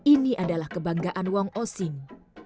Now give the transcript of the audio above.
ini adalah kebanggaan wong osing